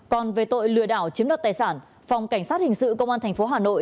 còn về tội lừa đảo chiếm đoạt tài sản phòng cảnh sát hình sự công an tp hà nội